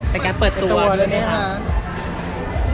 แต่แกเปิดตัวแล้วเนี่ยครับ